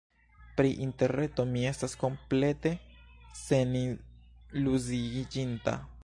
Pri Interreto mi estas komplete seniluziiĝinta.